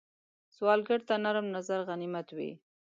سوالګر ته نرم نظر غنیمت وي